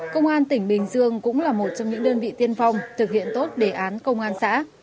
công an tỉnh bình dương cũng là một trong những đơn vị tiên phong thực hiện tốt đề án công an xã